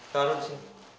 kalau di sini